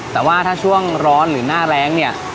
แต่ว่าถ้าช่วงร้อนหรือหน้าแรงเนี่ย